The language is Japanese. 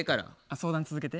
相談続けて。